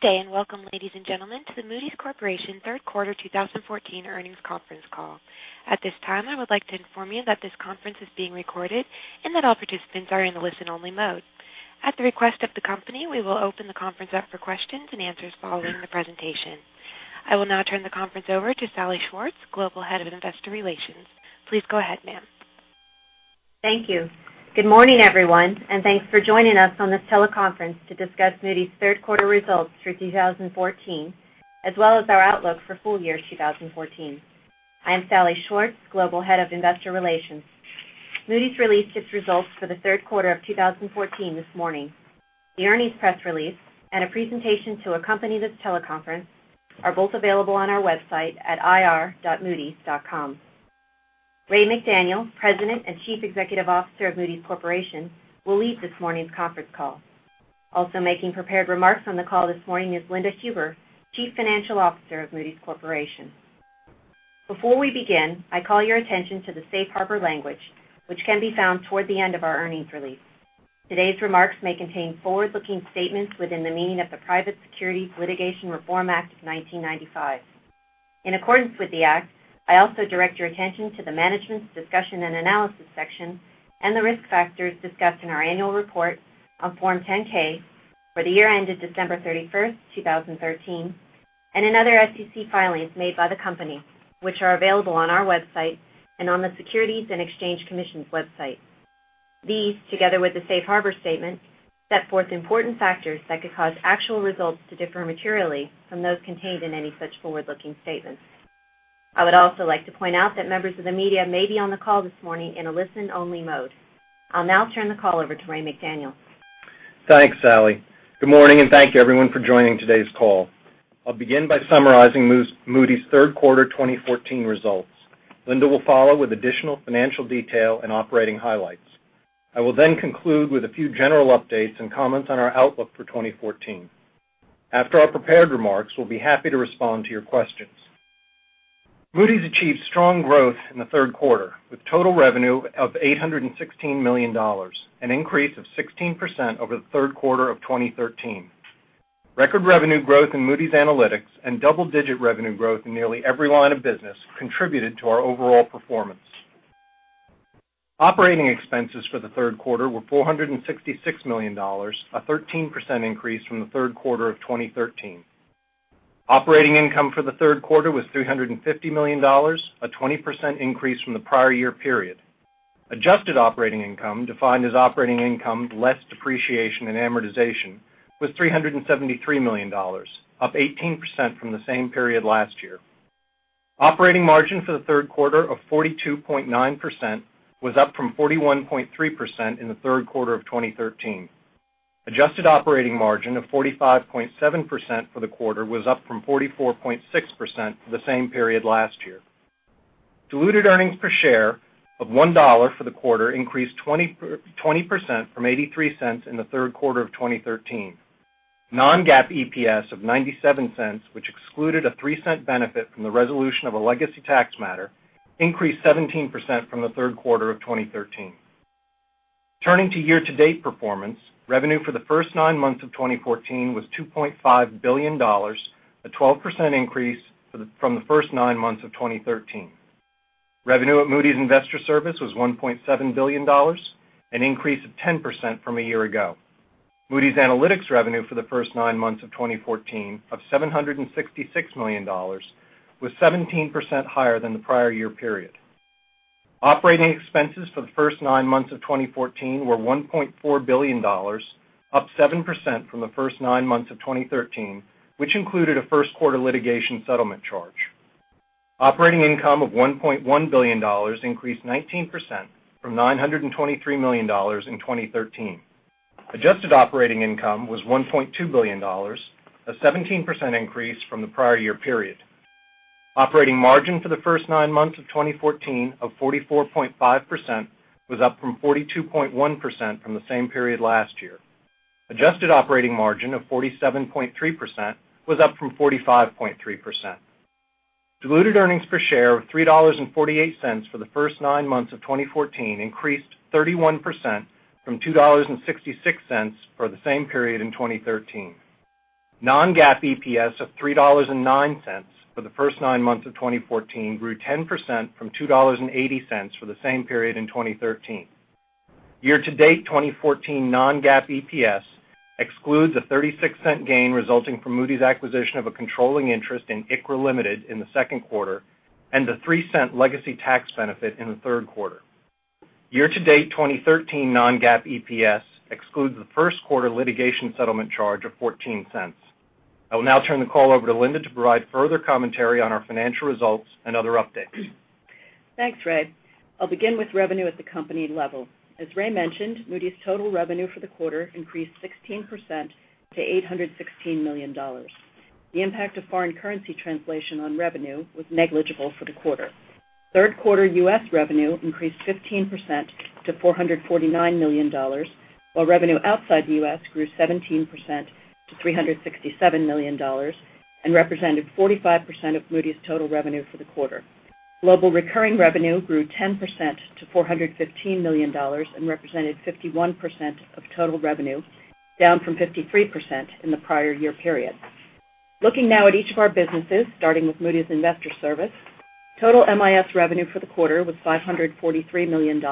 Good day, welcome, ladies and gentlemen, to the Moody's Corporation third quarter 2014 earnings conference call. At this time, I would like to inform you that this conference is being recorded and that all participants are in listen-only mode. At the request of the company, we will open the conference up for questions and answers following the presentation. I will now turn the conference over to Salli Schwartz, Global Head of Investor Relations. Please go ahead, ma'am. Thank you. Good morning, everyone, thanks for joining us on this teleconference to discuss Moody's third quarter results for 2014, as well as our outlook for full year 2014. I am Salli Schwartz, Global Head of Investor Relations. Moody's released its results for the third quarter of 2014 this morning. The earnings press release and a presentation to accompany this teleconference are both available on our website at ir.moodys.com. Raymond McDaniel, President and Chief Executive Officer of Moody's Corporation, will lead this morning's conference call. Also making prepared remarks on the call this morning is Linda Huber, Chief Financial Officer of Moody's Corporation. Before we begin, I call your attention to the safe harbor language, which can be found toward the end of our earnings release. Today's remarks may contain forward-looking statements within the meaning of the Private Securities Litigation Reform Act of 1995. In accordance with the act, I also direct your attention to the Management's Discussion and Analysis section and the risk factors discussed in our annual report on Form 10-K for the year ended December 31st, 2013, and in other SEC filings made by the company, which are available on our website and on the Securities and Exchange Commission's website. These, together with the safe harbor statement, set forth important factors that could cause actual results to differ materially from those contained in any such forward-looking statements. I would also like to point out that members of the media may be on the call this morning in a listen-only mode. I'll now turn the call over to Raymond McDaniel. Thanks, Salli. Good morning, thank you, everyone, for joining today's call. I'll begin by summarizing Moody's third quarter 2014 results. Linda will follow with additional financial detail and operating highlights. I will then conclude with a few general updates and comments on our outlook for 2014. After our prepared remarks, we'll be happy to respond to your questions. Moody's achieved strong growth in the third quarter, with total revenue of $816 million, an increase of 16% over the third quarter of 2013. Record revenue growth in Moody's Analytics and double-digit revenue growth in nearly every line of business contributed to our overall performance. Operating expenses for the third quarter were $466 million, a 13% increase from the third quarter of 2013. Operating income for the third quarter was $350 million, a 20% increase from the prior year period. Adjusted operating income, defined as operating income less depreciation and amortization, was $373 million, up 18% from the same period last year. Operating margin for the third quarter of 42.9% was up from 41.3% in the third quarter of 2013. Adjusted operating margin of 45.7% for the quarter was up from 44.6% for the same period last year. Diluted earnings per share of $1 for the quarter increased 20% from $0.83 in the third quarter of 2013. Non-GAAP EPS of $0.97, which excluded a $0.03 benefit from the resolution of a legacy tax matter, increased 17% from the third quarter of 2013. Turning to year-to-date performance, revenue for the first nine months of 2014 was $2.5 billion, a 12% increase from the first nine months of 2013. Revenue at Moody's Investors Service was $1.7 billion, an increase of 10% from a year ago. Moody's Analytics revenue for the first nine months of 2014 of $766 million was 17% higher than the prior year period. Operating expenses for the first nine months of 2014 were $1.4 billion, up 7% from the first nine months of 2013, which included a first-quarter litigation settlement charge. Operating income of $1.1 billion increased 19% from $923 million in 2013. Adjusted operating income was $1.2 billion, a 17% increase from the prior year period. Operating margin for the first nine months of 2014 of 44.5% was up from 42.1% from the same period last year. Adjusted operating margin of 47.3% was up from 45.3%. Diluted earnings per share of $3.48 for the first nine months of 2014 increased 31% from $2.66 for the same period in 2013. Non-GAAP EPS of $3.09 for the first nine months of 2014 grew 10% from $2.80 for the same period in 2013. Year-to-date 2014 non-GAAP EPS excludes a $0.36 gain resulting from Moody's acquisition of a controlling interest in ICRA Limited in the second quarter and the $0.03 legacy tax benefit in the third quarter. Year-to-date 2013 non-GAAP EPS excludes the first quarter litigation settlement charge of $0.14. I will now turn the call over to Linda to provide further commentary on our financial results and other updates. Thanks, Ray. I'll begin with revenue at the company level. As Ray mentioned, Moody's total revenue for the quarter increased 16% to $816 million. The impact of foreign currency translation on revenue was negligible for the quarter. Third quarter U.S. revenue increased 15% to $449 million, while revenue outside the U.S. grew 17% to $367 million and represented 45% of Moody's total revenue for the quarter. Global recurring revenue grew 10% to $415 million and represented 51% of total revenue, down from 53% in the prior year period. Looking now at each of our businesses, starting with Moody's Investors Service, total MIS revenue for the quarter was $543 million,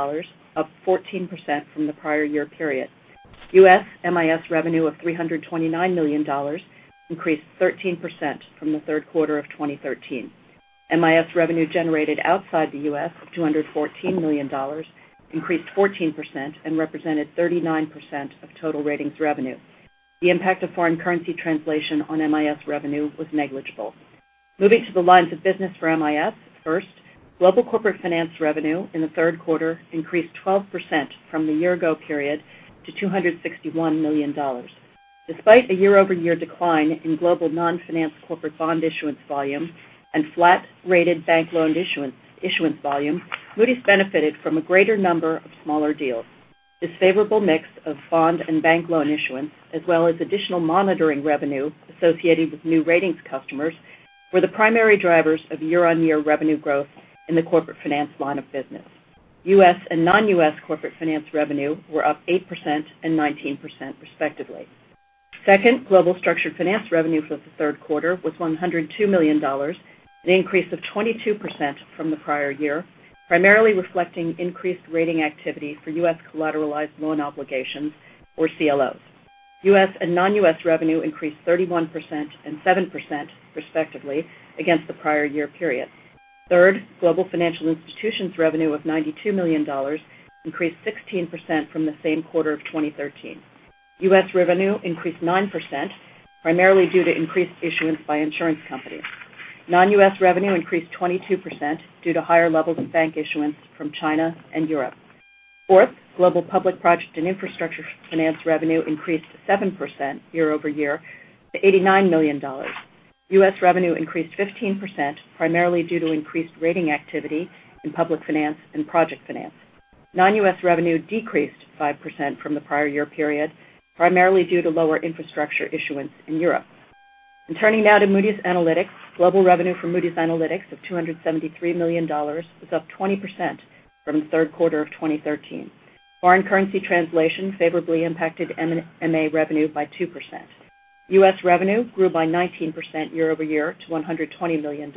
up 14% from the prior year period. U.S. MIS revenue of $329 million increased 13% from the third quarter of 2013. MIS revenue generated outside the U.S. of $214 million increased 14% and represented 39% of total ratings revenue. The impact of foreign currency translation on MIS revenue was negligible. Moving to the lines of business for MIS. First, global corporate finance revenue in the third quarter increased 12% from the year ago period to $261 million. Despite a year-over-year decline in global non-finance corporate bond issuance volume and flat-rated bank loan issuance volume, Moody's benefited from a greater number of smaller deals. This favorable mix of bond and bank loan issuance, as well as additional monitoring revenue associated with new ratings customers, were the primary drivers of year-on-year revenue growth in the corporate finance line of business. U.S. and non-U.S. corporate finance revenue were up 8% and 19% respectively. Second, global structured finance revenue for the third quarter was $102 million, an increase of 22% from the prior year, primarily reflecting increased rating activity for U.S. collateralized loan obligations, or CLOs. U.S. and non-U.S. revenue increased 31% and 7%, respectively, against the prior year period. Third, global financial institutions revenue of $92 million increased 16% from the same quarter of 2013. U.S. revenue increased 9%, primarily due to increased issuance by insurance companies. Non-U.S. revenue increased 22% due to higher levels of bank issuance from China and Europe. Fourth, global public project and infrastructure finance revenue increased 7% year-over-year to $89 million. U.S. revenue increased 15%, primarily due to increased rating activity in public finance and project finance. Non-U.S. revenue decreased 5% from the prior year period, primarily due to lower infrastructure issuance in Europe. Turning now to Moody's Analytics. Global revenue for Moody's Analytics of $273 million was up 20% from the third quarter of 2013. Foreign currency translation favorably impacted MA revenue by 2%. U.S. revenue grew by 19% year-over-year to $120 million.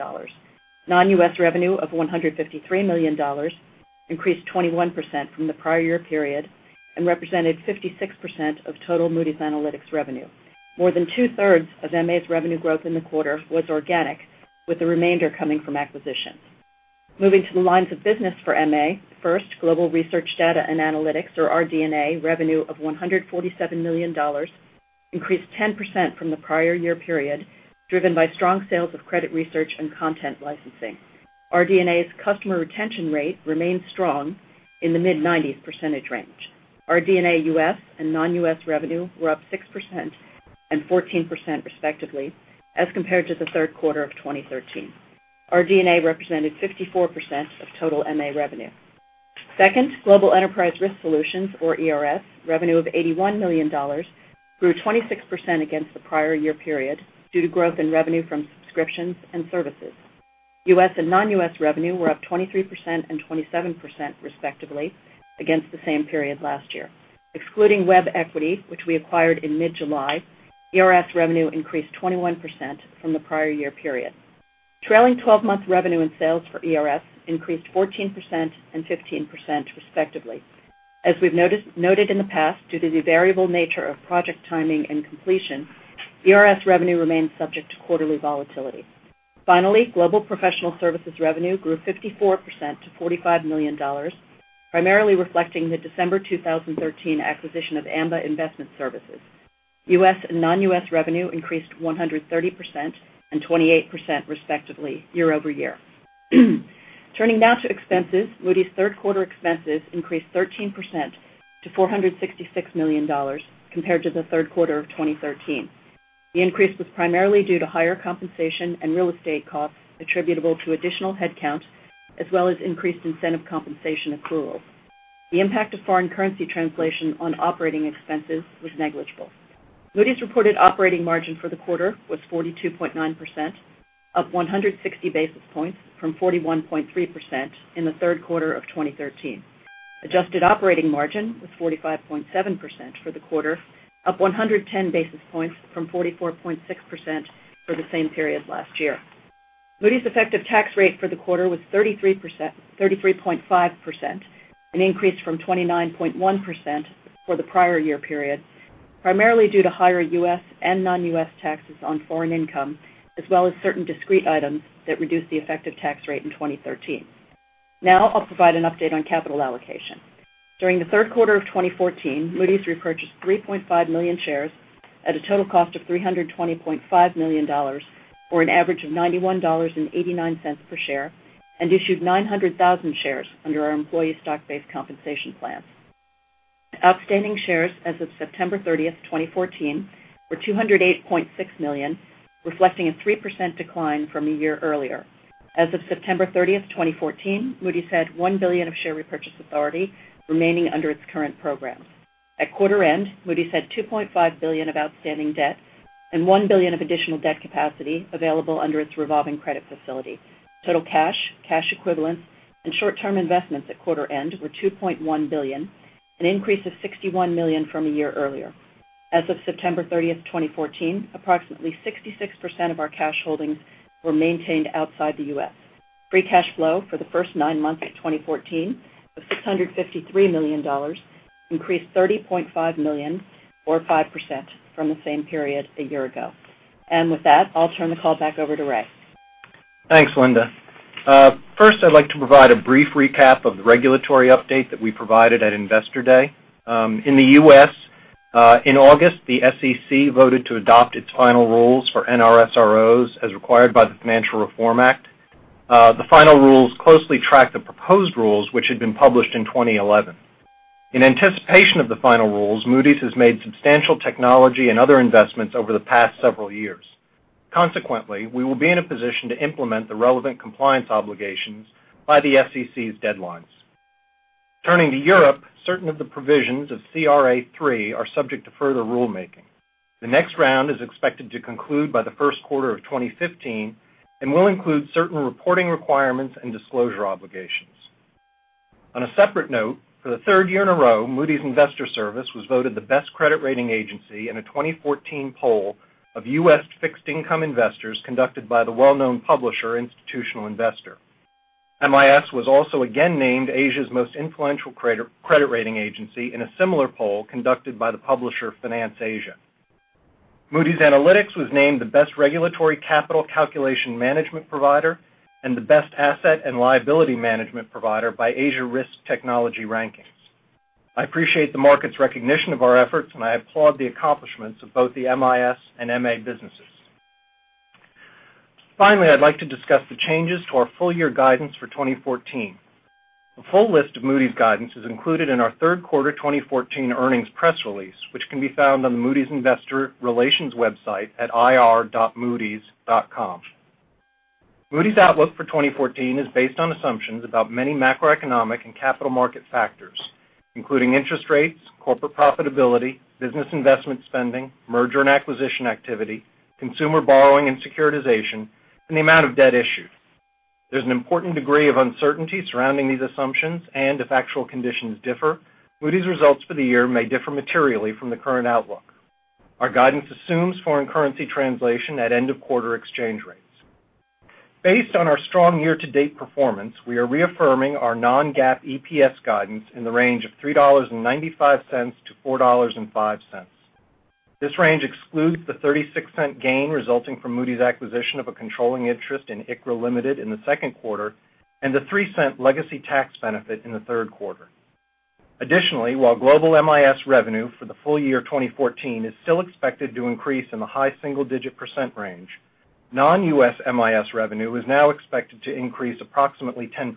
Non-U.S. revenue of $153 million increased 21% from the prior year period and represented 56% of total Moody's Analytics revenue. More than two-thirds of MA's revenue growth in the quarter was organic, with the remainder coming from acquisitions. Moving to the lines of business for MA. First, global research data and analytics, or RD&A, revenue of $147 million increased 10% from the prior year period, driven by strong sales of credit research and content licensing. RD&A's customer retention rate remains strong in the mid-90s percentage range. RD&A U.S. and non-U.S. revenue were up 6% and 14%, respectively, as compared to the third quarter of 2013. RD&A represented 54% of total MA revenue. Second, global enterprise risk solutions, or ERS, revenue of $81 million grew 26% against the prior year period due to growth in revenue from subscriptions and services. U.S. and non-U.S. revenue were up 23% and 27%, respectively, against the same period last year. Excluding WebEquity, which we acquired in mid-July, ERS revenue increased 21% from the prior year period. Trailing 12-month revenue and sales for ERS increased 14% and 15%, respectively. As we've noted in the past, due to the variable nature of project timing and completion, ERS revenue remains subject to quarterly volatility. Finally, global professional services revenue grew 54% to $45 million, primarily reflecting the December 2013 acquisition of Amba Investment Services. U.S. and non-U.S. revenue increased 130% and 28%, respectively, year-over-year. Turning now to expenses. Moody's third quarter expenses increased 13% to $466 million compared to the third quarter of 2013. The increase was primarily due to higher compensation and real estate costs attributable to additional headcount, as well as increased incentive compensation accruals. The impact of foreign currency translation on operating expenses was negligible. Moody's reported operating margin for the quarter was 42.9%, up 160 basis points from 41.3% in the third quarter of 2013. Adjusted operating margin was 45.7% for the quarter, up 110 basis points from 44.6% for the same period last year. Moody's effective tax rate for the quarter was 33.5%, an increase from 29.1% for the prior year period, primarily due to higher U.S. and non-U.S. taxes on foreign income, as well as certain discrete items that reduced the effective tax rate in 2013. Now I'll provide an update on capital allocation. During the third quarter of 2014, Moody's repurchased 3.5 million shares at a total cost of $320.5 million, or an average of $91.89 per share, and issued 900,000 shares under our employee stock-based compensation plan. Outstanding shares as of September 30th, 2014, were 208.6 million, reflecting a 3% decline from a year earlier. As of September 30th, 2014, Moody's had $1 billion of share repurchase authority remaining under its current program. At quarter end, Moody's had $2.5 billion of outstanding debt and $1 billion of additional debt capacity available under its revolving credit facility. Total cash equivalents, and short-term investments at quarter end were $2.1 billion, an increase of $61 million from a year earlier. As of September 30th, 2014, approximately 66% of our cash holdings were maintained outside the U.S. Free cash flow for the first nine months of 2014 of $653 million, increased $30.5 million or 5% from the same period a year ago. With that, I'll turn the call back over to Ray. Thanks, Linda. First, I'd like to provide a brief recap of the regulatory update that we provided at Investor Day. In the U.S., in August, the SEC voted to adopt its final rules for NRSROs as required by the Financial Reform Act. The final rules closely track the proposed rules, which had been published in 2011. In anticipation of the final rules, Moody's has made substantial technology and other investments over the past several years. Consequently, we will be in a position to implement the relevant compliance obligations by the SEC's deadlines. Turning to Europe, certain of the provisions of CRA III are subject to further rulemaking. The next round is expected to conclude by the first quarter of 2015, and will include certain reporting requirements and disclosure obligations. On a separate note, for the third year in a row, Moody's Investors Service was voted the best credit rating agency in a 2014 poll of U.S. fixed income investors conducted by the well-known publisher, Institutional Investor. MIS was also again named Asia's most influential credit rating agency in a similar poll conducted by the publisher FinanceAsia. Moody's Analytics was named the best regulatory capital calculation management provider and the best asset and liability management provider by Asia Risk Technology Rankings. I appreciate the market's recognition of our efforts, and I applaud the accomplishments of both the MIS and MA businesses. Finally, I'd like to discuss the changes to our full year guidance for 2014. The full list of Moody's guidance is included in our third quarter 2014 earnings press release, which can be found on the Moody's investor relations website at ir.moodys.com. Moody's outlook for 2014 is based on assumptions about many macroeconomic and capital market factors, including interest rates, corporate profitability, business investment spending, merger and acquisition activity, consumer borrowing and securitization, and the amount of debt issued. There's an important degree of uncertainty surrounding these assumptions, and if actual conditions differ, Moody's results for the year may differ materially from the current outlook. Our guidance assumes foreign currency translation at end of quarter exchange rates. Based on our strong year-to-date performance, we are reaffirming our non-GAAP EPS guidance in the range of $3.95-$4.05. This range excludes the $0.36 gain resulting from Moody's acquisition of a controlling interest in ICRA Limited in the second quarter, and the $0.03 legacy tax benefit in the third quarter. Additionally, while global MIS revenue for the full year 2014 is still expected to increase in the high single-digit % range, non-U.S. MIS revenue is now expected to increase approximately 10%.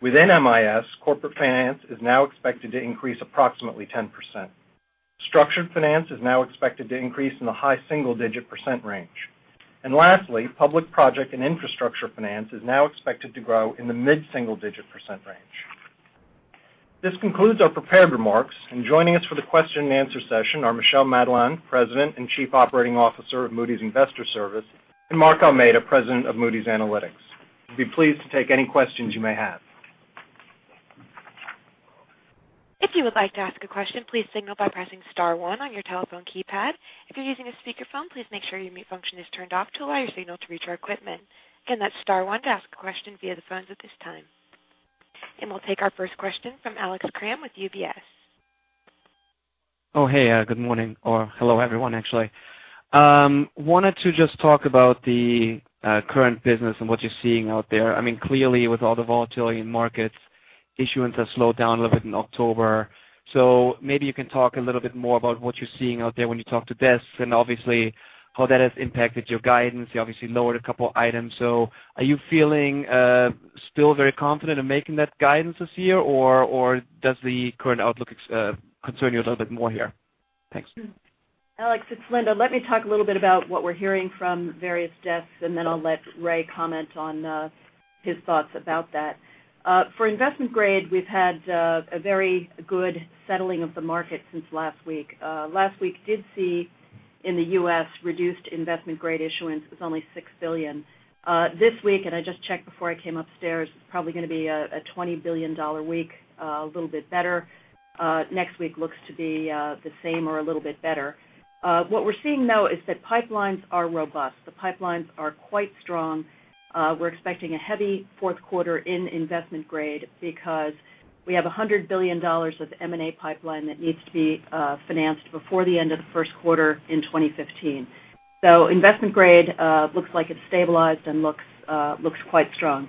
Within MIS, Corporate Finance is now expected to increase approximately 10%. Structured Finance is now expected to increase in the high single-digit % range. And lastly, Public Project and Infrastructure Finance is now expected to grow in the mid-single digit % range. This concludes our prepared remarks, and joining us for the question and answer session are Michel Madelain, President and Chief Operating Officer of Moody's Investors Service, and Mark Almeida, President of Moody's Analytics. We'd be pleased to take any questions you may have. If you would like to ask a question, please signal by pressing star one on your telephone keypad. If you're using a speakerphone, please make sure your mute function is turned off to allow your signal to reach our equipment. Again, that's star one to ask a question via the phones at this time. And we'll take our first question from Alex Kramm with UBS. Oh, hey. Good morning, or hello everyone, actually. Wanted to just talk about the current business and what you're seeing out there. Clearly with all the volatility in markets, issuance has slowed down a little bit in October. Maybe you can talk a little bit more about what you're seeing out there when you talk to desks, and obviously how that has impacted your guidance. You obviously lowered a couple items. Are you feeling still very confident in making that guidance this year, or does the current outlook concern you a little bit more here? Thanks. Alex, it's Linda. Let me talk a little bit about what we're hearing from various desks, and then I'll let Ray comment on his thoughts about that. For investment grade, we've had a very good settling of the market since last week. Last week did see in the U.S. reduced investment-grade issuance with only $6 billion. This week, and I just checked before I came upstairs, it's probably going to be a $20 billion week, a little bit better. Next week looks to be the same or a little bit better. What we're seeing though is that pipelines are robust. The pipelines are quite strong. We're expecting a heavy fourth quarter in investment grade because we have $100 billion of M&A pipeline that needs to be financed before the end of the first quarter in 2015. Investment grade looks like it's stabilized and looks quite strong.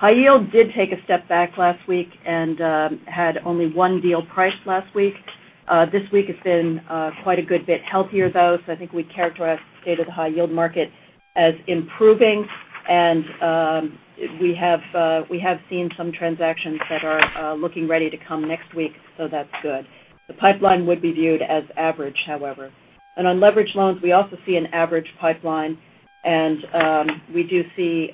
High yield did take a step back last week and had only one deal priced last week. This week it's been quite a good bit healthier though. I think we'd characterize the state of the high yield market as improving, and we have seen some transactions that are looking ready to come next week, that's good. The pipeline would be viewed as average, however. On leverage loans, we also see an average pipeline, and we do see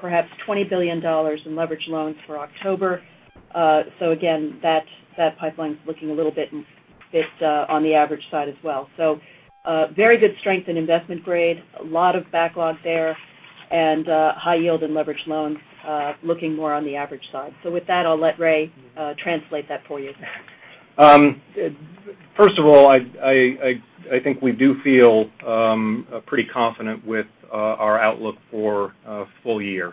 perhaps $20 billion in leverage loans for October. Again, that pipeline's looking a little bit on the average side as well. Very good strength in investment grade, a lot of backlog there, and high yield and leverage loans looking more on the average side. With that, I'll let Ray translate that for you. First of all, I think we do feel pretty confident with our outlook for a full year.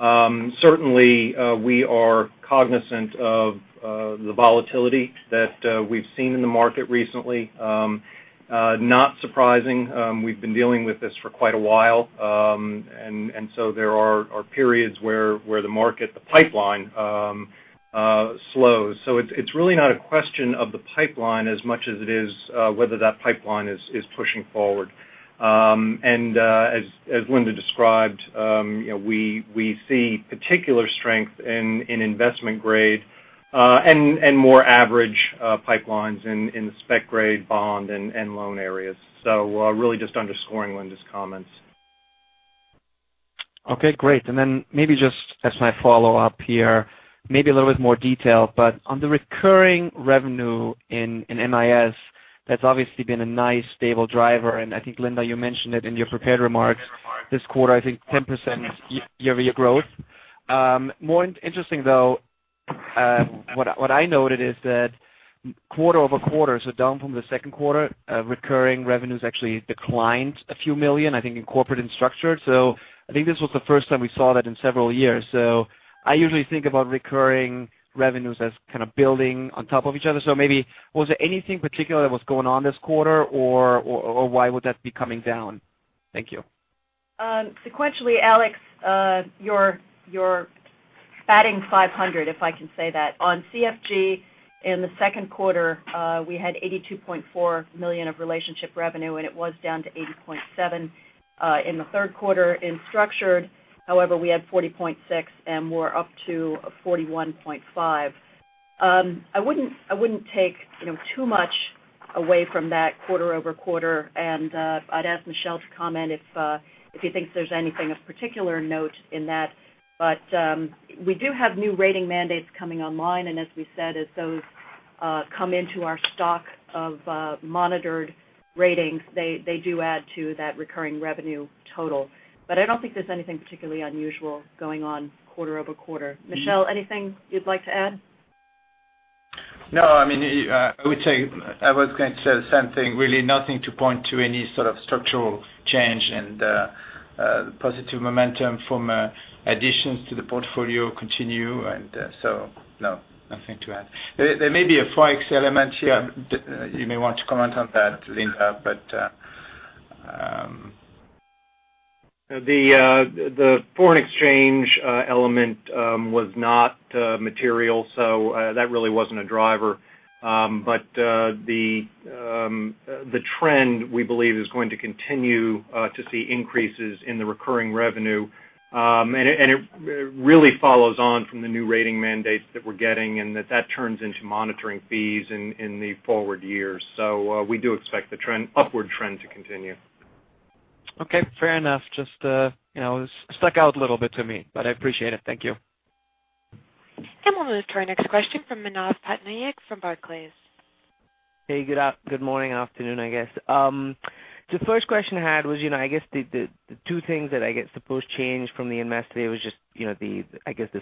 Certainly, we are cognizant of the volatility that we've seen in the market recently. Not surprising. We've been dealing with this for quite a while. There are periods where the market, the pipeline slows. It's really not a question of the pipeline as much as it is whether that pipeline is pushing forward. As Linda described, we see particular strength in investment grade, and more average pipelines in the spec-grade bond and loan areas. Really just underscoring Linda's comments. Okay, great. Maybe just as my follow-up here, maybe a little bit more detail, but on the recurring revenue in MIS, that's obviously been a nice stable driver. I think, Linda, you mentioned it in your prepared remarks this quarter, I think 10% year-over-year growth. More interesting though, what I noted is that quarter-over-quarter, down from the second quarter, recurring revenues actually declined a few million, I think, in corporate and structured. I think this was the first time we saw that in several years. I usually think about recurring revenues as kind of building on top of each other. Maybe was there anything particular that was going on this quarter or why would that be coming down? Thank you. Sequentially, Alex, you're batting 500, if I can say that. On CFG in the second quarter, we had $82.4 million of relationship revenue, and it was down to $80.7 million in the third quarter. In structured, however, we had $40.6 million, and we're up to $41.5 million. I wouldn't take too much away from that quarter-over-quarter, and I'd ask Michel to comment if he thinks there's anything of particular note in that. We do have new rating mandates coming online, and as we said, as those come into our stock of monitored ratings, they do add to that recurring revenue total. I don't think there's anything particularly unusual going on quarter-over-quarter. Michel, anything you'd like to add? No. I was going to say the same thing. Really nothing to point to any sort of structural change. Positive momentum from additions to the portfolio continue. No, nothing to add. There may be a forex element here. You may want to comment on that, Linda. The foreign exchange element was not material, so that really wasn't a driver. The trend, we believe, is going to continue to see increases in the recurring revenue. It really follows on from the new rating mandates that we're getting and that turns into monitoring fees in the forward years. We do expect the upward trend to continue. Okay, fair enough. Just stuck out a little bit to me, but I appreciate it. Thank you. We'll move to our next question from Manav Patnaik from Barclays. Hey, good morning, afternoon, I guess. The first question I had was, I guess the two things that the post change from the MIS today was just the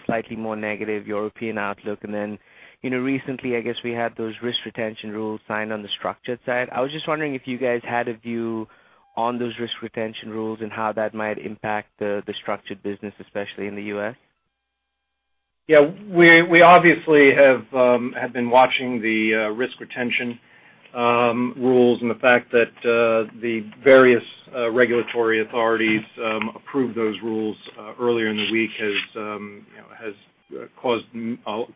slightly more negative European outlook, recently, I guess we had those risk retention rules signed on the structured side. I was just wondering if you guys had a view on those risk retention rules and how that might impact the structured business, especially in the U.S. We obviously have been watching the risk retention rules and the fact that the various regulatory authorities approved those rules earlier in the week has caused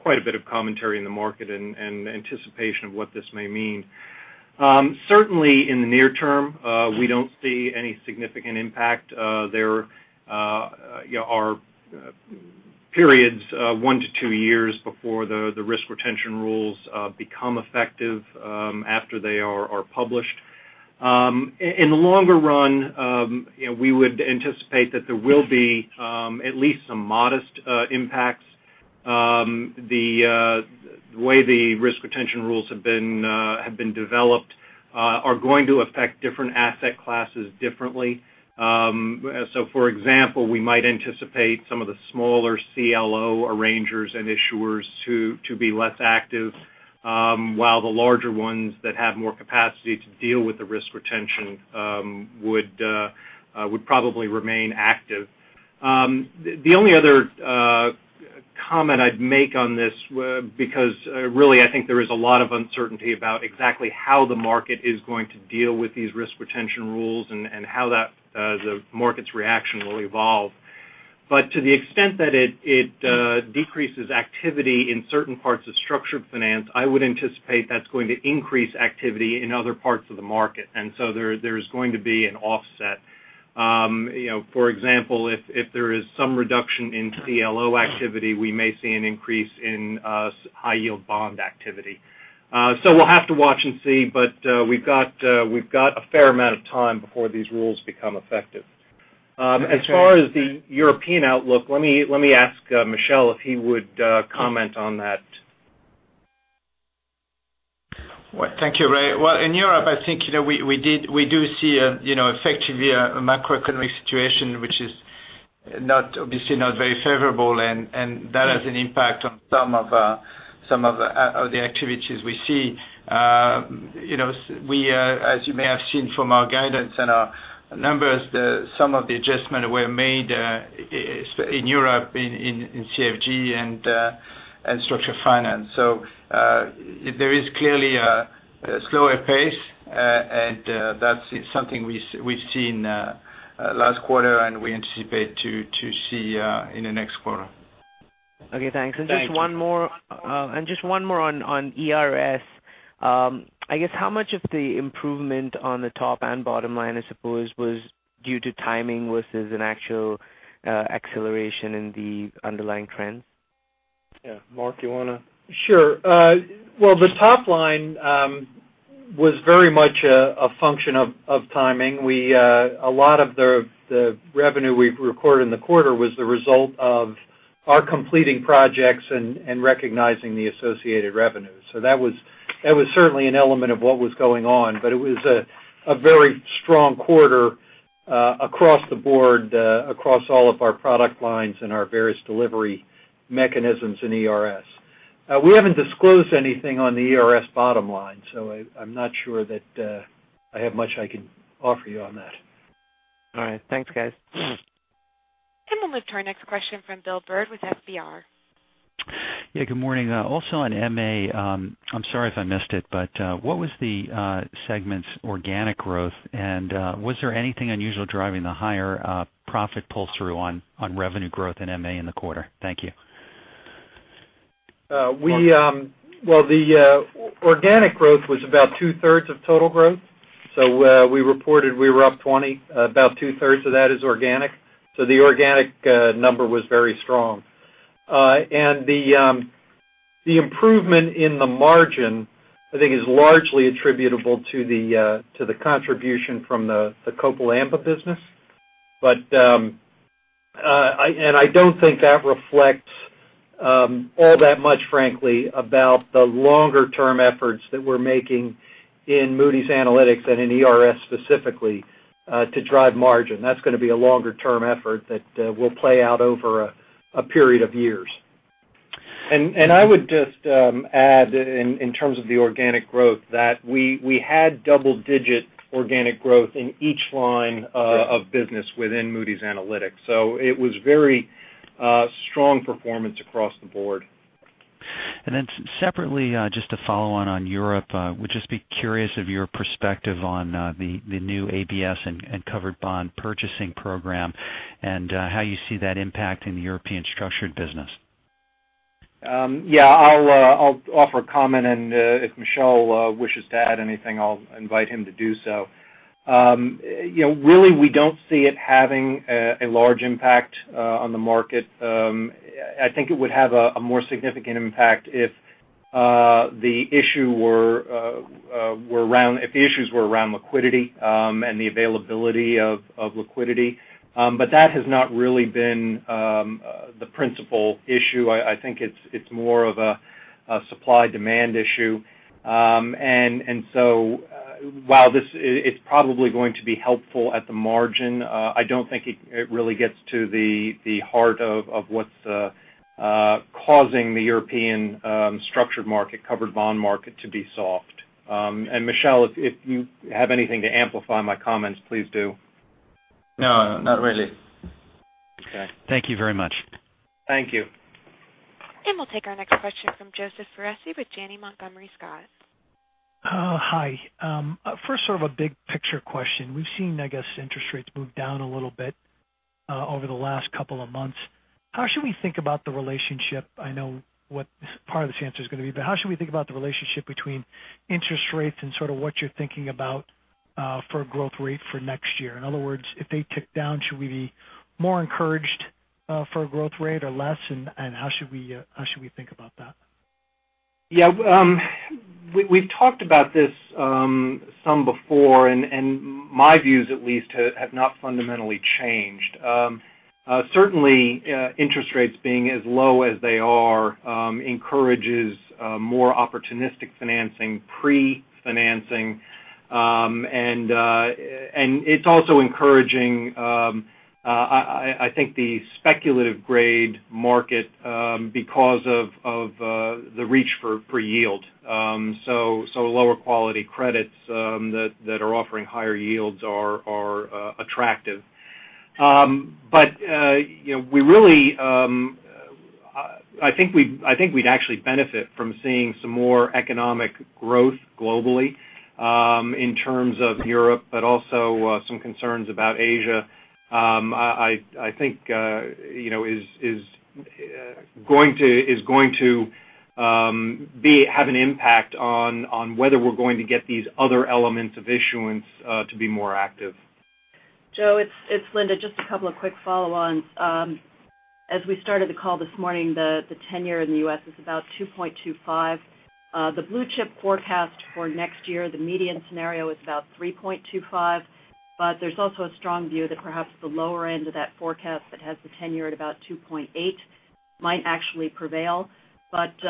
quite a bit of commentary in the market and anticipation of what this may mean. Certainly in the near term, we don't see any significant impact. There are periods of 1-2 years before the risk retention rules become effective after they are published. In the longer run, we would anticipate that there will be at least some modest impacts. The way the risk retention rules have been developed are going to affect different asset classes differently. For example, we might anticipate some of the smaller CLO arrangers and issuers to be less active, while the larger ones that have more capacity to deal with the risk retention would probably remain active. The only other comment I'd make on this, because really, I think there is a lot of uncertainty about exactly how the market is going to deal with these risk retention rules and how the market's reaction will evolve. To the extent that it decreases activity in certain parts of structured finance, I would anticipate that's going to increase activity in other parts of the market. There's going to be an offset. For example, if there is some reduction in CLO activity, we may see an increase in high-yield bond activity. We'll have to watch and see, but we've got a fair amount of time before these rules become effective. As far as the European outlook, let me ask Michel if he would comment on that. Thank you, Ray. Well, in Europe, I think we do see, effectively, a macroeconomic situation which is obviously not very favorable, and that has an impact on some of the activities we see. As you may have seen from our guidance and our numbers, some of the adjustments were made in Europe, in CFG, and structured finance. There is clearly a slower pace, and that's something we've seen last quarter and we anticipate to see in the next quarter. Okay, thanks. Thank you. Just one more on ERS. I guess how much of the improvement on the top and bottom line, I suppose, was due to timing versus an actual acceleration in the underlying trends? Yeah. Mark, you want to? Sure. Well, the top line was very much a function of timing. A lot of the revenue we recorded in the quarter was the result of our completing projects and recognizing the associated revenue. That was certainly an element of what was going on. It was a very strong quarter across the board, across all of our product lines and our various delivery mechanisms in ERS. We haven't disclosed anything on the ERS bottom line, I'm not sure that I have much I can offer you on that. All right. Thanks, guys. We'll move to our next question from Bill Bird with FBR. Yeah, good morning. Also on MA, I'm sorry if I missed it, but what was the segment's organic growth, and was there anything unusual driving the higher profit pull-through on revenue growth in MA in the quarter? Thank you. Well, the organic growth was about two-thirds of total growth. We reported we were up 20. About two-thirds of that is organic. The organic number was very strong. The improvement in the margin, I think, is largely attributable to the contribution from the Copal Amba business. I don't think that reflects all that much, frankly, about the longer-term efforts that we're making in Moody's Analytics and in ERS specifically to drive margin. That's going to be a longer-term effort that will play out over a period of years. I would just add in terms of the organic growth that we had double-digit organic growth in each line of business within Moody's Analytics. It was very strong performance across the board. Separately, just to follow on Europe, would just be curious of your perspective on the new ABS and covered bond purchasing program and how you see that impact in the European structured business. Yeah, I'll offer a comment, and if Michel wishes to add anything, I'll invite him to do so. Really, we don't see it having a large impact on the market. I think it would have a more significant impact if the issues were around liquidity and the availability of liquidity. That has not really been the principal issue. I think it's more of a supply-demand issue. While it's probably going to be helpful at the margin, I don't think it really gets to the heart of what's causing the European structured market, covered bond market to be soft. Michel, if you have anything to amplify my comments, please do. No, not really. Okay. Thank you very much. Thank you. We'll take our next question from Joseph Foresi with Janney Montgomery Scott. Hi. First, sort of a big picture question. We've seen, I guess, interest rates move down a little bit over the last couple of months. How should we think about the relationship? I know what part of this answer is going to be, but how should we think about the relationship between interest rates and sort of what you're thinking about for growth rate for next year? In other words, if they tick down, should we be more encouraged for a growth rate or less? And how should we think about that? Yeah. We've talked about this some before, my views at least have not fundamentally changed. Certainly, interest rates being as low as they are encourages more opportunistic financing, pre-financing, and it's also encouraging I think the speculative grade market because of the reach for yield. Lower quality credits that are offering higher yields are attractive. I think we'd actually benefit from seeing some more economic growth globally in terms of Europe, also some concerns about Asia. I think is going to have an impact on whether we're going to get these other elements of issuance to be more active. Joe, it's Linda. Just a couple of quick follow-ons. As we started the call this morning, the 10-year in the U.S. is about 2.25. The blue chip forecast for next year, the median scenario, is about 3.25. There's also a strong view that perhaps the lower end of that forecast that has the 10-year at about 2.8 might actually prevail. This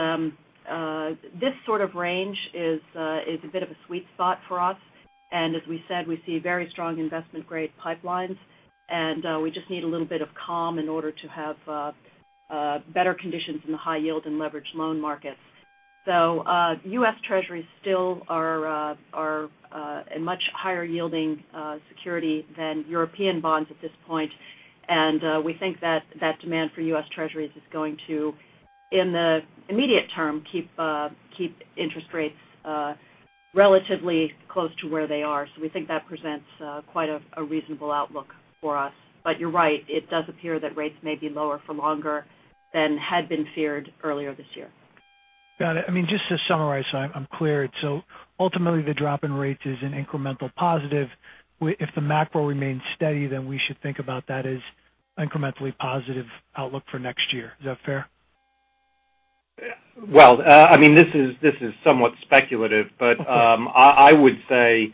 sort of range is a bit of a sweet spot for us. As we said, we see very strong investment-grade pipelines, and we just need a little bit of calm in order to have better conditions in the high yield and leverage loan markets. U.S. Treasuries still are a much higher yielding security than European bonds at this point. We think that demand for U.S. Treasuries is going to, in the immediate term, keep interest rates relatively close to where they are. We think that presents quite a reasonable outlook for us. You're right, it does appear that rates may be lower for longer than had been feared earlier this year. Got it. Just to summarize so I'm clear. Ultimately, the drop in rates is an incremental positive. If the macro remains steady, we should think about that as incrementally positive outlook for next year. Is that fair? Well, this is somewhat speculative. Okay. I would say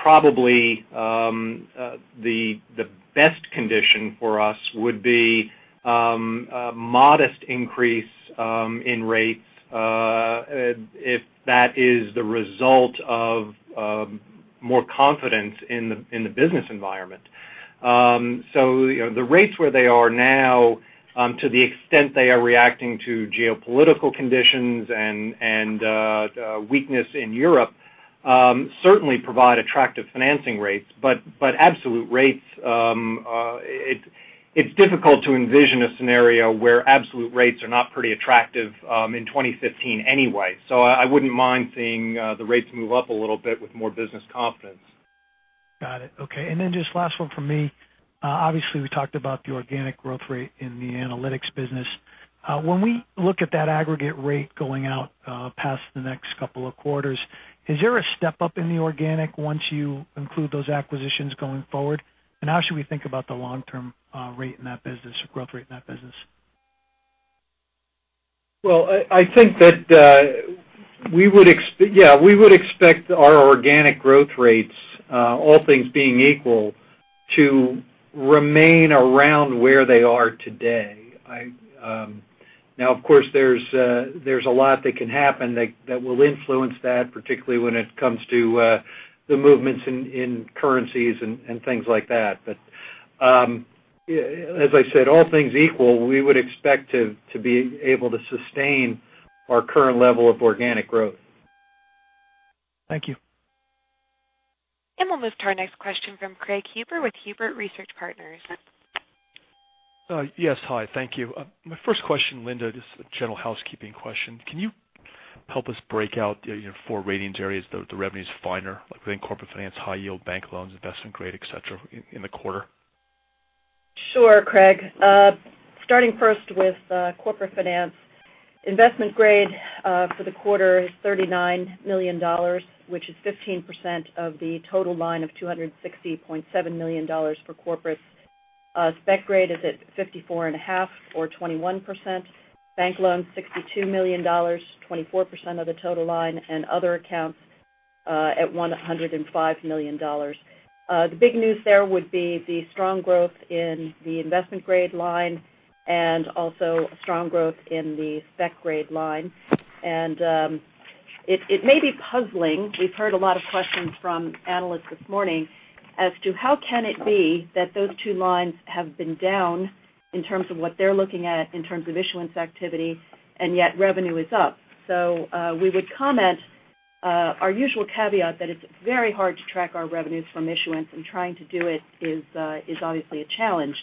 probably the best condition for us would be a modest increase in rates if that is the result of more confidence in the business environment. The rates where they are now, to the extent they are reacting to geopolitical conditions and weakness in Europe, certainly provide attractive financing rates. Absolute rates, it's difficult to envision a scenario where absolute rates are not pretty attractive in 2015 anyway. I wouldn't mind seeing the rates move up a little bit with more business confidence. Got it. Okay. Just last one from me. Obviously, we talked about the organic growth rate in the Analytics business. When we look at that aggregate rate going out past the next couple of quarters, is there a step-up in the organic once you include those acquisitions going forward? How should we think about the long-term rate in that business or growth rate in that business? Well, I think that we would expect our organic growth rates, all things being equal, to remain around where they are today. Now, of course, there's a lot that can happen that will influence that, particularly when it comes to the movements in currencies and things like that. As I said, all things equal, we would expect to be able to sustain our current level of organic growth. Thank you. We'll move to our next question from Craig Huber with Huber Research Partners. Yes. Hi, thank you. My first question, Linda, just a general housekeeping question. Can you help us break out your four ratings areas, the revenues finer, like within corporate finance, high yield bank loans, investment grade, et cetera, in the quarter? Sure, Craig. Starting first with corporate finance. Investment grade for the quarter is $39 million, which is 15% of the total line of $260.7 million for corporate. Spec grade is at 54 and a half, or 21%. Bank loans, $62 million, 24% of the total line. Other accounts at $105 million. The big news there would be the strong growth in the investment grade line and also strong growth in the spec grade line. It may be puzzling. We've heard a lot of questions from analysts this morning as to how can it be that those two lines have been down in terms of what they're looking at in terms of issuance activity, and yet revenue is up. We would comment our usual caveat that it's very hard to track our revenues from issuance, and trying to do it is obviously a challenge.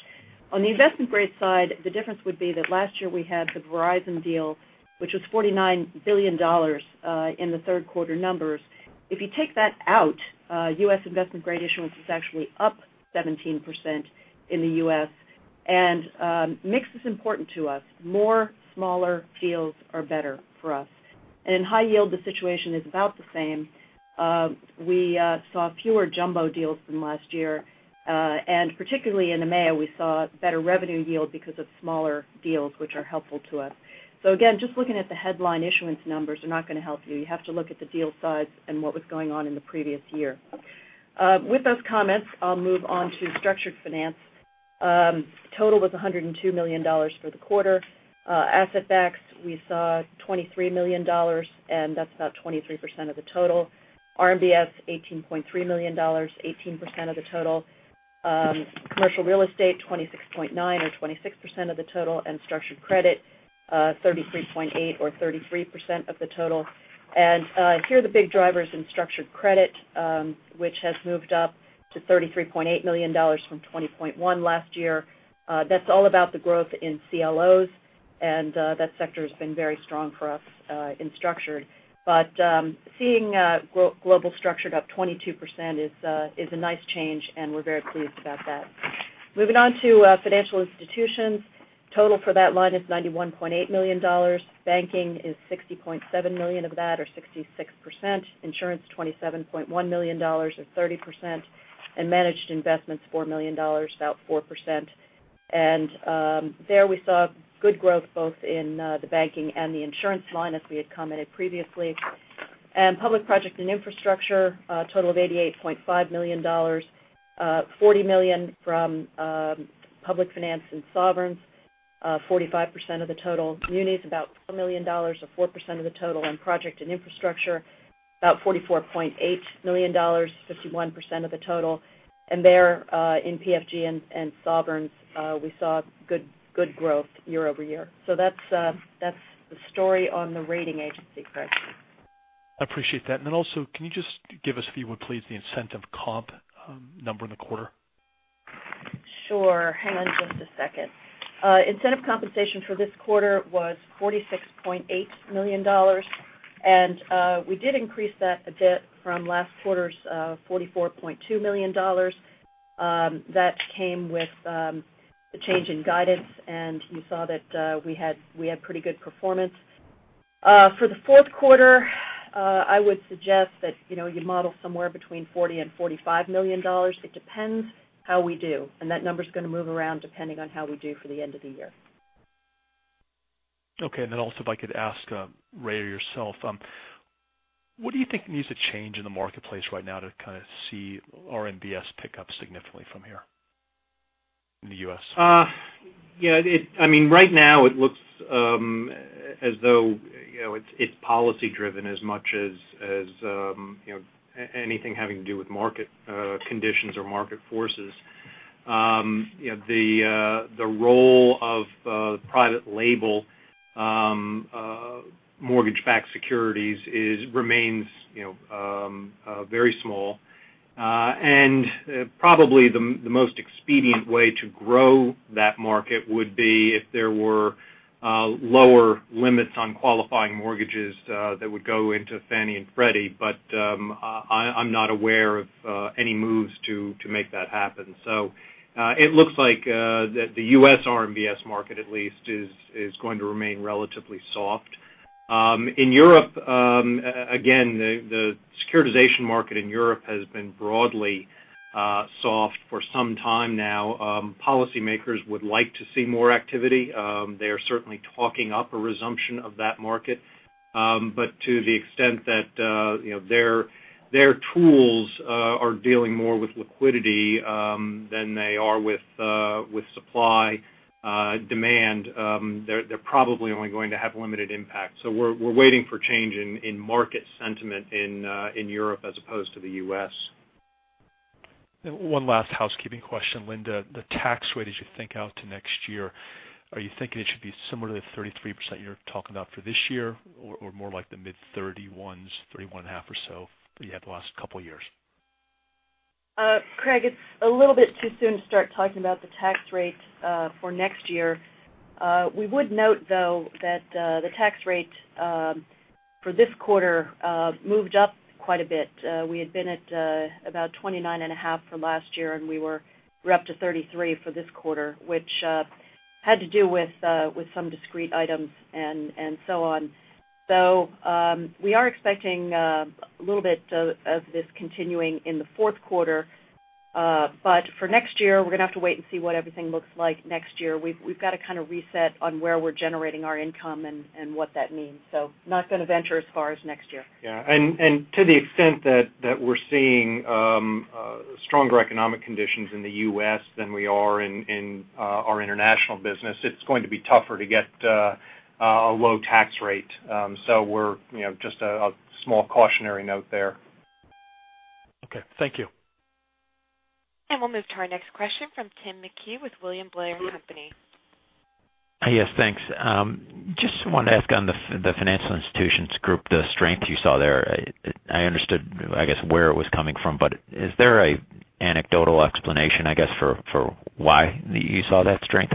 On the investment grade side, the difference would be that last year we had the Verizon deal, which was $49 billion in the third quarter numbers. If you take that out, U.S. investment grade issuance is actually up 17% in the U.S. Mix is important to us. More smaller deals are better for us. In high yield, the situation is about the same. We saw fewer jumbo deals than last year, and particularly in EMEA, we saw better revenue yield because of smaller deals, which are helpful to us. Again, just looking at the headline issuance numbers are not going to help you. You have to look at the deal size and what was going on in the previous year. With those comments, I'll move on to structured finance. Total was $102 million for the quarter. Asset-backed, we saw $23 million, that's about 23% of the total. RMBS, $18.3 million, 18% of the total. Commercial real estate, 26.9 or 26% of the total. Structured credit, 33.8 or 33% of the total. Here are the big drivers in structured credit, which has moved up to $33.8 million from $20.1 last year. That's all about the growth in CLOs. That sector has been very strong for us in structured. Seeing global structured up 22% is a nice change, and we're very pleased about that. Moving on to financial institutions. Total for that line is $91.8 million. Banking is $60.7 million of that or 66%. Insurance, $27.1 million or 30%. Managed Investments $4 million, about 4%. There we saw good growth both in the banking and the insurance line as we had commented previously. Public project and infrastructure, a total of $88.5 million. $40 million from public finance and sovereigns, 45% of the total. Munis, about $4 million or 4% of the total. On project and infrastructure, about $44.8 million, 51% of the total. There, in PFG and Sovereigns, we saw good growth year over year. That's the story on the rating agency, Craig. I appreciate that. Then also, can you just give us, if you would, please, the incentive comp number in the quarter? Sure. Hang on just a second. Incentive compensation for this quarter was $46.8 million. We did increase that a bit from last quarter's $44.2 million. That came with the change in guidance. You saw that we had pretty good performance. For the fourth quarter, I would suggest that you model somewhere between $40 million-$45 million. It depends how we do. That number's going to move around depending on how we do for the end of the year. Okay. Then also, if I could ask Ray or yourself, what do you think needs to change in the marketplace right now to kind of see RMBS pick up significantly from here in the U.S.? Yeah. Right now it looks as though it's policy driven as much as anything having to do with market conditions or market forces. The role of private label mortgage-backed securities remains very small. Probably the most expedient way to grow that market would be if there were lower limits on qualifying mortgages that would go into Fannie and Freddie. I'm not aware of any moves to make that happen. It looks like the U.S. RMBS market, at least, is going to remain relatively soft. In Europe, again, the securitization market in Europe has been broadly soft for some time now. Policymakers would like to see more activity. They are certainly talking up a resumption of that market. To the extent that their tools are dealing more with liquidity than they are with supply-demand, they're probably only going to have limited impact. We're waiting for change in market sentiment in Europe as opposed to the U.S. One last housekeeping question, Linda. The tax rate as you think out to next year, are you thinking it should be similar to the 33% you're talking about for this year, or more like the mid-31s, 31 and a half or so that you had the last couple of years? Craig, it's a little bit too soon to start talking about the tax rate for next year. We would note, though, that the tax rate for this quarter moved up quite a bit. We had been at about 29 and a half% for last year, and we're up to 33% for this quarter, which had to do with some discrete items and so on. We are expecting a little bit of this continuing in the fourth quarter. For next year, we're going to have to wait and see what everything looks like next year. We've got to kind of reset on where we're generating our income and what that means. I'm not going to venture as far as next year. Yeah. To the extent that we're seeing stronger economic conditions in the U.S. than we are in our international business, it's going to be tougher to get a low tax rate. Just a small cautionary note there. Okay. Thank you. We'll move to our next question from Timothy McHugh with William Blair & Company. Yes, thanks. Just wanted to ask on the financial institutions group, the strength you saw there. I understood where it was coming from. Is there an anecdotal explanation for why you saw that strength?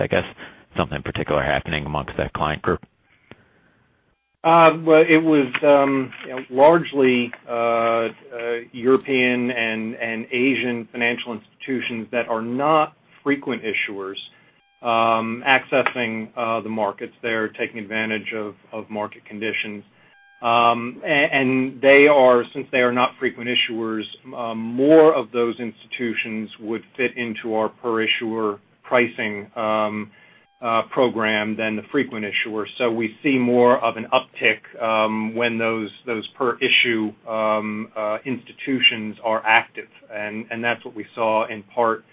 Something particular happening amongst that client group? Well, it was largely European and Asian financial institutions that are not frequent issuers accessing the markets. They're taking advantage of market conditions. Since they are not frequent issuers, more of those institutions would fit into our per-issuer pricing program than the frequent issuers. We see more of an uptick when those per-issue institutions are active. That's what we saw in part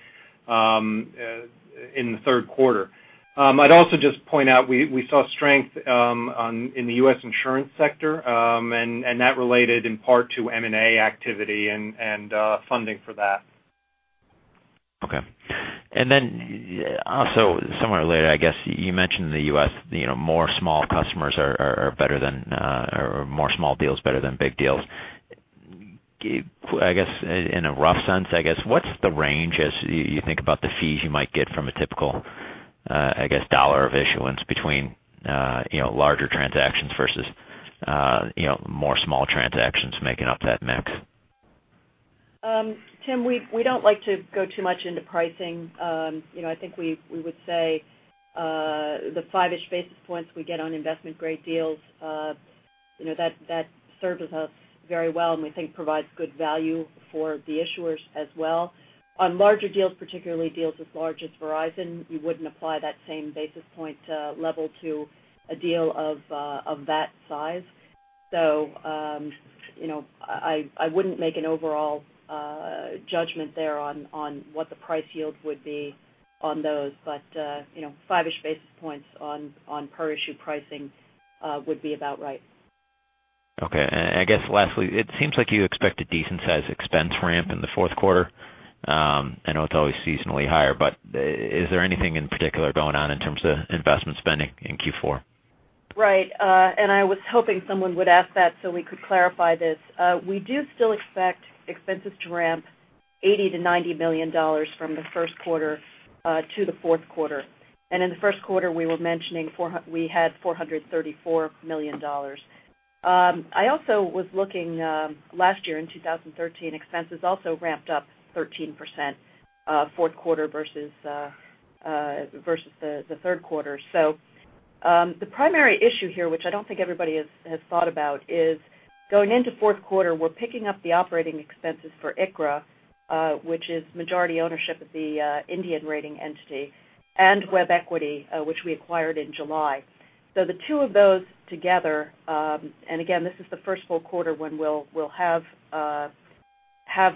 in the third quarter. I'd also just point out, we saw strength in the U.S. insurance sector. That related in part to M&A activity and funding for that. Okay. Also, somewhere related, you mentioned the U.S., more small deals are better than big deals. I guess in a rough sense, what's the range as you think about the fees you might get from a typical dollar of issuance between larger transactions versus more small transactions making up that mix? Tim, we don't like to go too much into pricing. I think we would say the five-ish basis points we get on investment-grade deals, that serves us very well and we think provides good value for the issuers as well. On larger deals, particularly deals as large as Verizon, we wouldn't apply that same basis point level to a deal of that size. I wouldn't make an overall judgment there on what the price yield would be on those. Five-ish basis points on per issue pricing would be about right. Okay. I guess lastly, it seems like you expect a decent-size expense ramp in the fourth quarter. I know it's always seasonally higher, but is there anything in particular going on in terms of investment spending in Q4? Right. I was hoping someone would ask that so we could clarify this. We do still expect expenses to ramp $80 million-$90 million from the first quarter to the fourth quarter. In the first quarter, we were mentioning we had $434 million. I also was looking last year, in 2013, expenses also ramped up 13% fourth quarter versus the third quarter. The primary issue here, which I don't think everybody has thought about, is going into fourth quarter, we're picking up the operating expenses for ICRA, which is majority ownership of the Indian rating entity, and WebEquity, which we acquired in July. The two of those together and again, this is the first full quarter when we'll have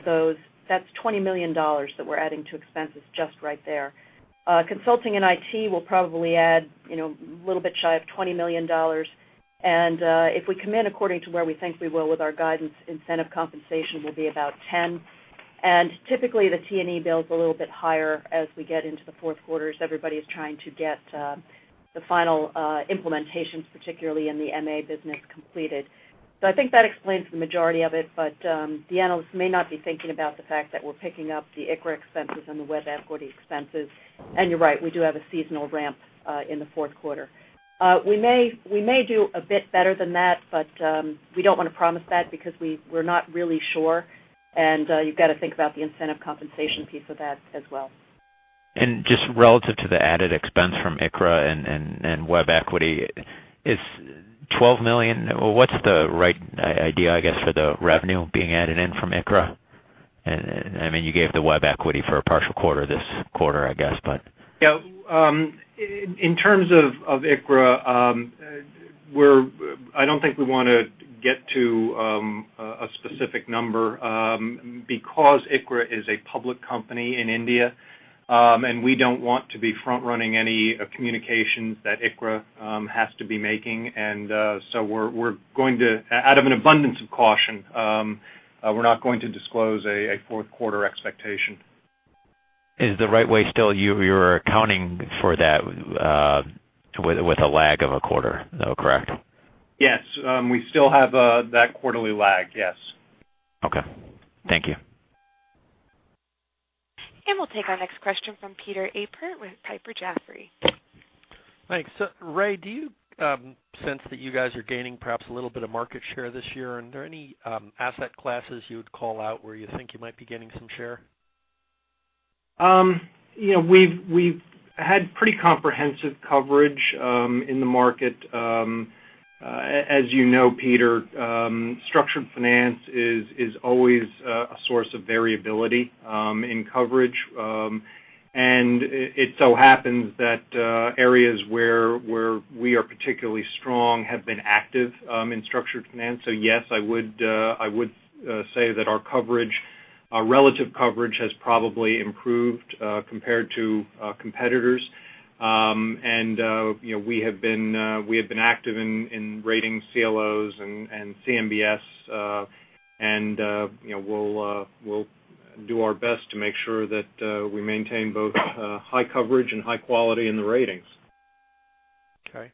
those. That's $20 million that we're adding to expenses just right there. Consulting and IT will probably add a little bit shy of $20 million. If we come in according to where we think we will with our guidance, incentive compensation will be about $10 million. Typically, the T&E bill's a little bit higher as we get into the fourth quarter as everybody is trying to get the final implementations, particularly in the M&A business, completed. I think that explains the majority of it, but the analysts may not be thinking about the fact that we're picking up the ICRA expenses and the WebEquity expenses. You're right, we do have a seasonal ramp in the fourth quarter. We may do a bit better than that, but we don't want to promise that because we're not really sure, and you've got to think about the incentive compensation piece of that as well. Just relative to the added expense from ICRA and WebEquity, what's the right idea, I guess, for the revenue being added in from ICRA? You gave the WebEquity for a partial quarter this quarter, I guess. Yeah. In terms of ICRA, I don't think we want to get to a specific number because ICRA is a public company in India, and we don't want to be front-running any communications that ICRA has to be making. Out of an abundance of caution, we're not going to disclose a fourth quarter expectation. Is the right way still you're accounting for that with a lag of a quarter, though, correct? Yes. We still have that quarterly lag, yes. Okay. Thank you. We'll take our next question from Peter Appert with Piper Jaffray. Thanks. Ray, do you sense that you guys are gaining perhaps a little bit of market share this year? Are there any asset classes you would call out where you think you might be gaining some share? We've had pretty comprehensive coverage in the market. As you know, Peter, structured finance is always a source of variability in coverage. It so happens that areas where we are particularly strong have been active in structured finance. Yes, I would say that our relative coverage has probably improved compared to competitors. We have been active in rating CLOs and CMBS. We'll do our best to make sure that we maintain both high coverage and high quality in the ratings. Okay.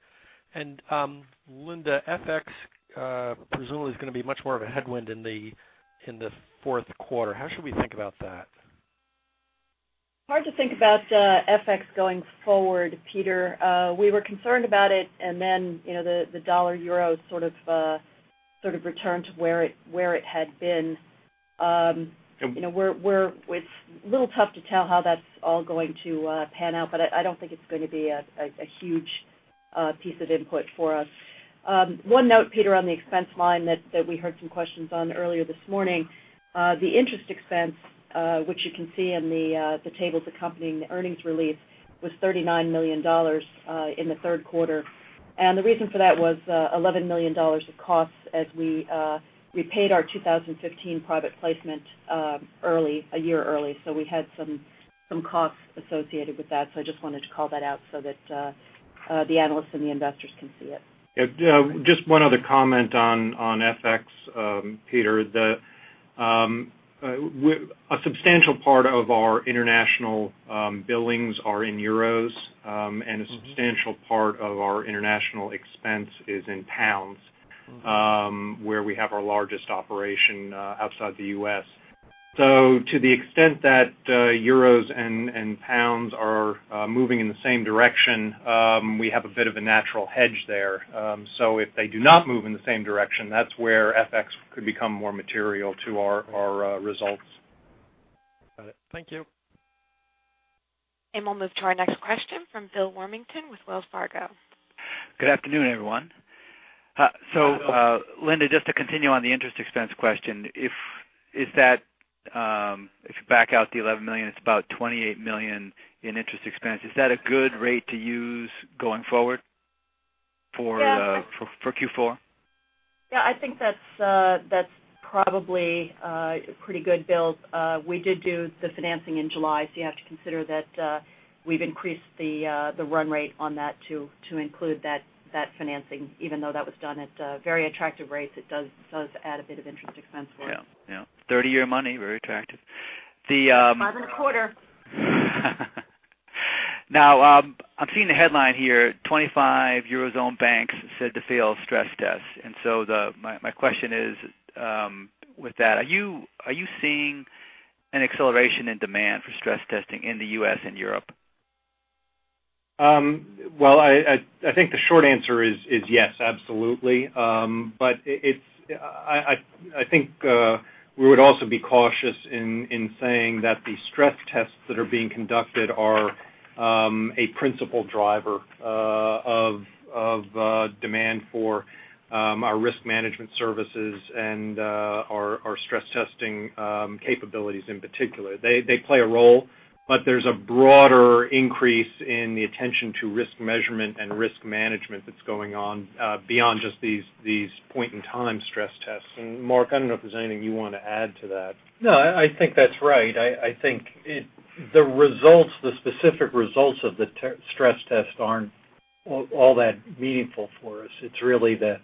Linda, FX presumably is going to be much more of a headwind in the fourth quarter. How should we think about that? Hard to think about FX going forward, Peter. We were concerned about it, and then the dollar/euro sort of returned to where it had been. It's a little tough to tell how that's all going to pan out, but I don't think it's going to be a huge piece of input for us. One note, Peter, on the expense line that we heard some questions on earlier this morning. The interest expense, which you can see in the tables accompanying the earnings release, was $39 million in the third quarter. The reason for that was $11 million of costs as we paid our 2015 private placement a year early. We had some costs associated with that. I just wanted to call that out so that the analysts and the investors can see it. Just one other comment on FX, Peter. A substantial part of our international billings are in euros, and a substantial part of our international expense is in pounds where we have our largest operation outside the U.S. To the extent that euros and pounds are moving in the same direction, we have a bit of a natural hedge there. If they do not move in the same direction, that's where FX could become more material to our results. Got it. Thank you. We'll move to our next question from Phil Wormington with Wells Fargo. Good afternoon, everyone. Hi, Phil. Linda, just to continue on the interest expense question, if you back out the $11 million, it's about $28 million in interest expense. Is that a good rate to use going forward for Q4? Yeah, I think that's probably pretty good, Phil. We did do the financing in July, so you have to consider that we've increased the run rate on that to include that financing, even though that was done at very attractive rates. It does add a bit of interest expense for it. Yeah. 30-year money, very attractive. It's a private quarter. I'm seeing the headline here, "25 Eurozone Banks Said to Fail Stress Tests." My question is, with that, are you seeing an acceleration in demand for stress testing in the U.S. and Europe? I think the short answer is yes, absolutely. I think we would also be cautious in saying that the stress tests that are being conducted are a principal driver of demand for our risk management services and our stress testing capabilities in particular. They play a role, there's a broader increase in the attention to risk measurement and risk management that's going on beyond just these point-in-time stress tests. Mark, I don't know if there's anything you want to add to that. I think that's right. I think the specific results of the stress test aren't all that meaningful for us. It's really the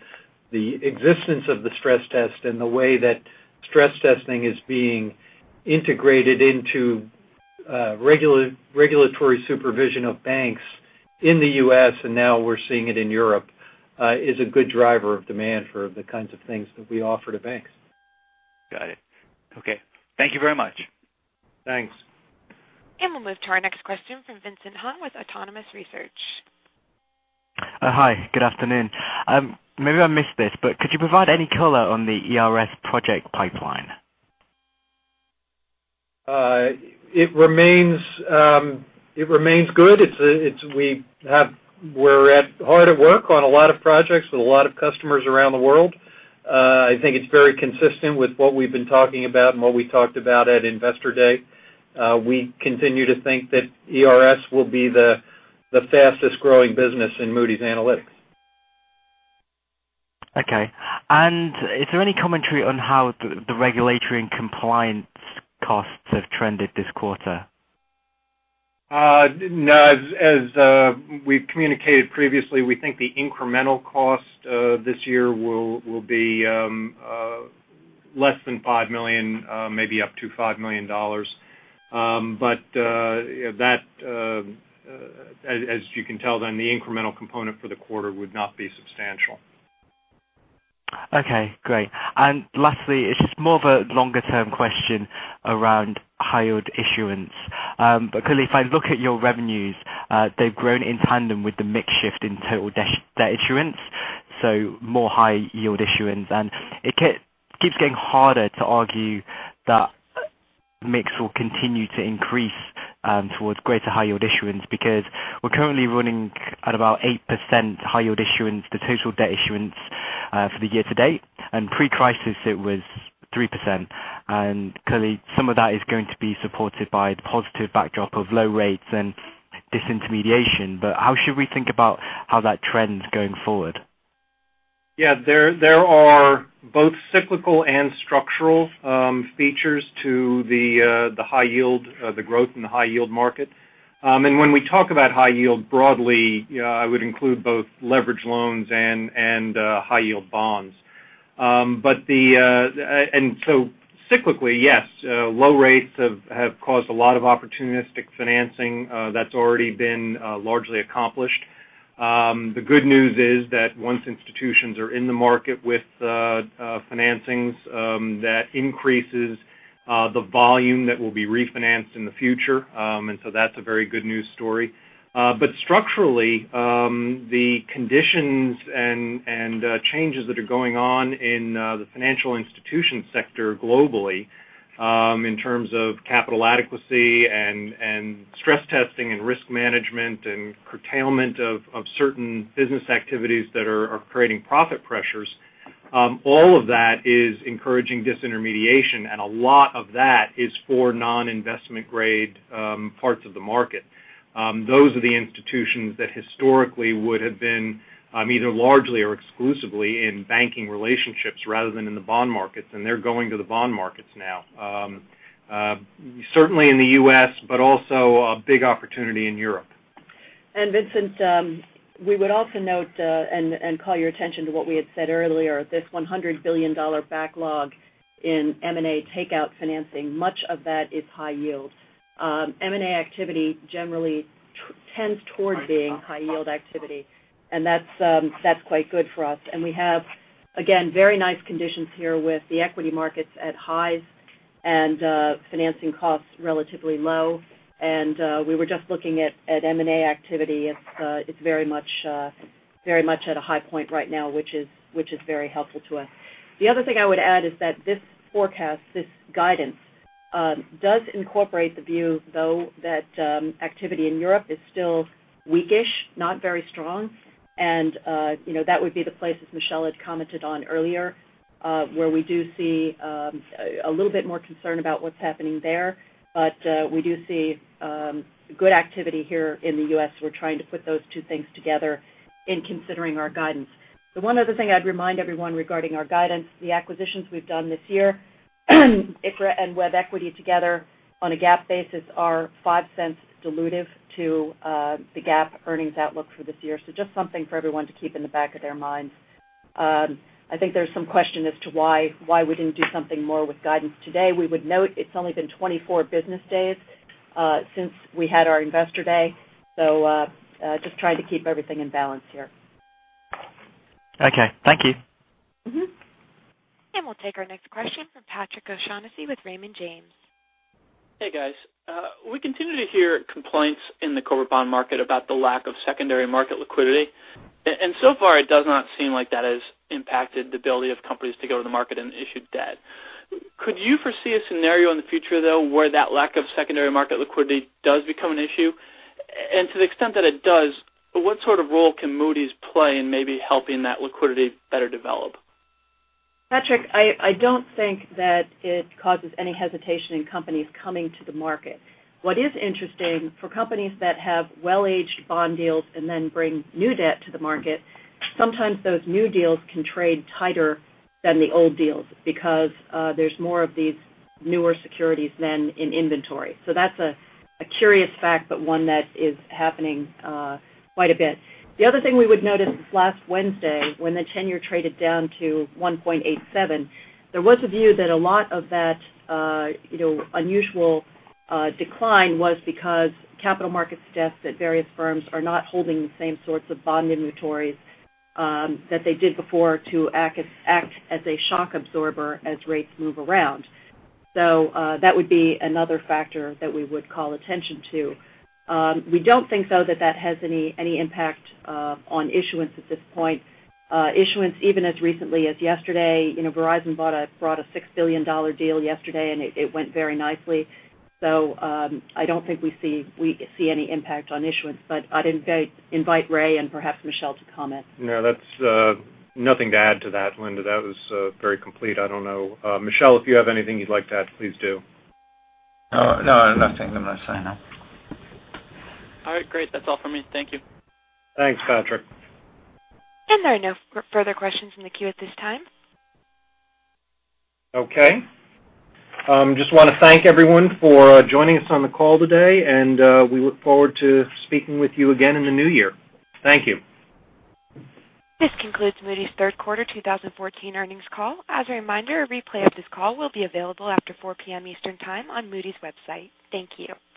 existence of the stress test and the way that stress testing is being integrated into regulatory supervision of banks in the U.S., and now we're seeing it in Europe, is a good driver of demand for the kinds of things that we offer to banks. Got it. Okay. Thank you very much. Thanks. We'll move to our next question from Vincent Hung with Autonomous Research. Hi, good afternoon. Maybe I missed this, but could you provide any color on the ERS project pipeline? It remains good. We're hard at work on a lot of projects with a lot of customers around the world. I think it's very consistent with what we've been talking about and what we talked about at Investor Day. We continue to think that ERS will be the fastest-growing business in Moody's Analytics. Okay. Is there any commentary on how the regulatory and compliance costs have trended this quarter? No. As we've communicated previously, we think the incremental cost this year will be less than $5 million, maybe up to $5 million. As you can tell, the incremental component for the quarter would not be substantial. Okay, great. Lastly, it's just more of a longer-term question around high-yield issuance. If I look at your revenues, they've grown in tandem with the mix shift in total debt issuance, so more high-yield issuance. It keeps getting harder to argue that mix will continue to increase towards greater high-yield issuance because we're currently running at about 8% high-yield issuance to total debt issuance for the year to date. Pre-crisis it was 3%. Clearly, some of that is going to be supported by the positive backdrop of low rates and disintermediation. How should we think about how that trend's going forward? Yeah, there are both cyclical and structural features to the growth in the high-yield market. When we talk about high yield broadly, I would include both leveraged loans and high-yield bonds. Cyclically, yes, low rates have caused a lot of opportunistic financing. That's already been largely accomplished. The good news is that once institutions are in the market with financings, that increases the volume that will be refinanced in the future. That's a very good news story. Structurally, the conditions and changes that are going on in the financial institution sector globally, in terms of capital adequacy and stress testing and risk management and curtailment of certain business activities that are creating profit pressures, all of that is encouraging disintermediation, and a lot of that is for non-investment grade parts of the market. Those are the institutions that historically would have been either largely or exclusively in banking relationships rather than in the bond markets, and they're going to the bond markets now. Certainly in the U.S., but also a big opportunity in Europe. Vincent, we would also note and call your attention to what we had said earlier. This $100 billion backlog in M&A takeout financing, much of that is high yield. M&A activity generally tends toward being high yield activity. That's quite good for us. We have, again, very nice conditions here with the equity markets at highs and financing costs relatively low. We were just looking at M&A activity. It's very much at a high point right now, which is very helpful to us. The other thing I would add is that this forecast, this guidance, does incorporate the view, though, that activity in Europe is still weak-ish, not very strong. That would be the place, as Michel Madelain had commented on earlier, where we do see a little bit more concern about what's happening there. We do see good activity here in the U.S. We're trying to put those two things together in considering our guidance. The one other thing I'd remind everyone regarding our guidance, the acquisitions we've done this year, ICRA and WebEquity together on a GAAP basis are $0.05 dilutive to the GAAP earnings outlook for this year. Just something for everyone to keep in the back of their minds. I think there's some question as to why we didn't do something more with guidance today. We would note it's only been 24 business days since we had our Investor Day. Just trying to keep everything in balance here. Okay. Thank you. We'll take our next question from Patrick O'Shaughnessy with Raymond James. Hey, guys. We continue to hear complaints in the corporate bond market about the lack of secondary market liquidity. So far, it does not seem like that has impacted the ability of companies to go to the market and issue debt. Could you foresee a scenario in the future, though, where that lack of secondary market liquidity does become an issue? To the extent that it does, what sort of role can Moody's play in maybe helping that liquidity better develop? Patrick, I don't think that it causes any hesitation in companies coming to the market. What is interesting, for companies that have well-aged bond deals and then bring new debt to the market, sometimes those new deals can trade tighter than the old deals because there's more of these newer securities than in inventory. That's a curious fact, but one that is happening quite a bit. The other thing we would notice is last Wednesday, when the ten-year traded down to 1.87, there was a view that a lot of that unusual decline was because capital markets desks at various firms are not holding the same sorts of bond inventories that they did before to act as a shock absorber as rates move around. That would be another factor that we would call attention to. We don't think, though, that that has any impact on issuance at this point. Issuance, even as recently as yesterday, Verizon brought a $6 billion deal yesterday, and it went very nicely. I don't think we see any impact on issuance. I'd invite Ray and perhaps Michel to comment. No, nothing to add to that, Linda. That was very complete. I don't know. Michel, if you have anything you'd like to add, please do. No, nothing. I'm going to sign off. All right, great. That's all for me. Thank you. Thanks, Patrick. There are no further questions in the queue at this time. Okay. Just want to thank everyone for joining us on the call today, and we look forward to speaking with you again in the new year. Thank you. This concludes Moody's third quarter 2014 earnings call. As a reminder, a replay of this call will be available after 4 P.M. Eastern Time on Moody's website. Thank you.